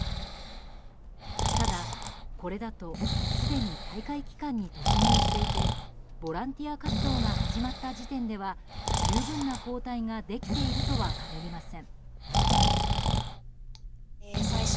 ただ、これだとすでに大会期間に突入していてボランティア活動が始まった時点では十分な抗体ができているとは限りません。